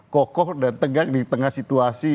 kokoh dan tegak di tengah situasi